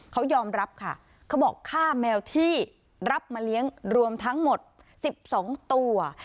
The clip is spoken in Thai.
เขายอมรับค่ะเขาบอกฆ่าแมวที่รับมาเลี้ยงรวมทั้งหมด๑๒ตัว